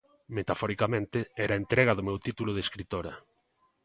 Metaforicamente era a entrega do meu título de escritora.